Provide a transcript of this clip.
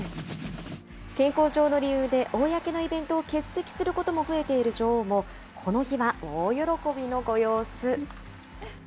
健康上の理由で、公のイベントを欠席することも増えている女王も、この日は大喜びのご様子。